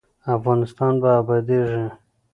افغانستان به ابادیږي